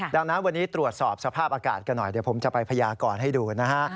ดังนั้นวันนี้ตรวจสอบสภาพอากาศกันหน่อยเดี๋ยวผมจะไปพยากรให้ดูนะฮะ